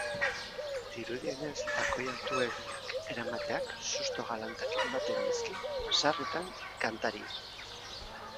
Dirudienez, takoi altuegiak eramateak susto galantak ematen dizkie sarritan kantariei.